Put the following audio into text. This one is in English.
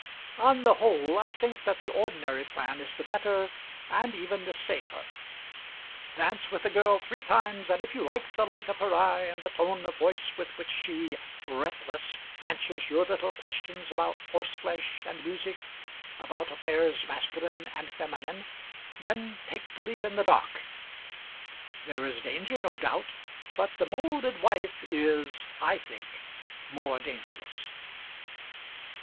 On the whole I think that the ordinary plan is the better, and even the safer. Dance with a girl three times, and if you like the light of her eye and the tone of voice with which she, breathless, answers your little questions about horseflesh and music about affairs masculine and feminine, then take the leap in the dark. There is danger, no doubt; but the moulded wife is, I think, more dangerous.